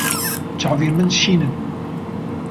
Çavên min şîn in.